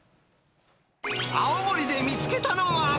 青森で見つけたのは。